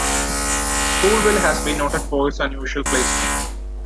Coolville has been noted for its unusual place name.